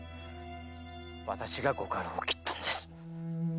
私がご家老を斬ったんです。